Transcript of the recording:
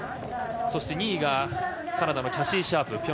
そして２位がカナダのキャシー・シャープ。